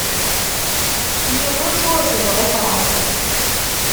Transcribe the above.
Yiwet ur tebɣi ṭṭraḍ.